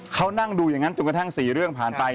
เขานั่งดูอย่างนั้นจนกระทั่ง๔เรื่องผ่านไป